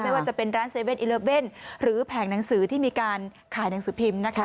ว่าจะเป็นร้าน๗๑๑หรือแผงหนังสือที่มีการขายหนังสือพิมพ์นะคะ